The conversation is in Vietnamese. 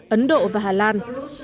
ấn độ và hà lan